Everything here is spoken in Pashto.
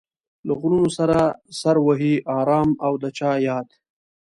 له غرونو سره سر وهي ارام او د چا ياد